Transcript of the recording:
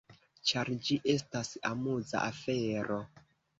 Ĉar ĝi estas amuza afero.